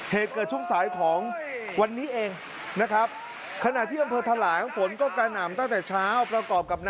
เหตุเกิดช่วงสายของวันนี้เองนะครับ